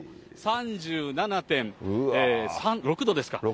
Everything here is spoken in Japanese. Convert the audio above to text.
３７．６度ですか。